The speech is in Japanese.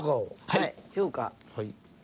はい。